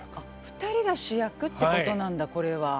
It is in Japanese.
２人が主役ってことなんだこれは。